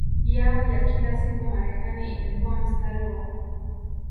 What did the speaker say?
yao ya kila siku Marekani imekuwa mstari wa